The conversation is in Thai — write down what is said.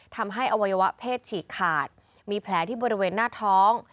ทำให้อวัยวะเพศฉีกขาดมีแผลที่บริเวณหน้าท้อง